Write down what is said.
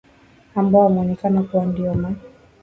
ambao umeonekana huko ndio ma